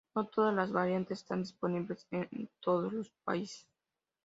No todas las variantes están disponibles en todos los países.